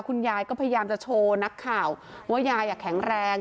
คุณยายก็พยายามจะโชว์นักข่าวว่ายายแข็งแรง